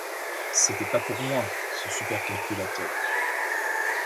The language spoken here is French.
C’était pas pour moi, ce super-calculateur !